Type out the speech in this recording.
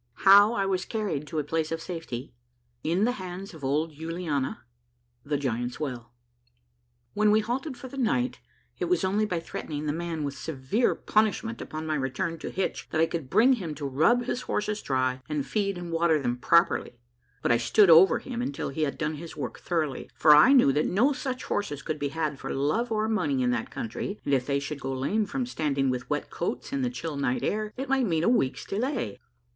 — HOW I WAS CARRIED TO A PLACE OF SAFEITY. — IN THE HANDS OF OLD YULIANA. — THE GIANTS' WELL. W HEN we halted for the night it was only by threatening the man with severe punishment upon my return to Hitch that I could bring him to rub his horses dry and feed and water them properly ; but I stood over him until he had done his work thoroughly, for I knew that no such horses could be had for love or money in that country, and if they should go lame from standing with wet coats in the chill night air, it might mean a week's delay.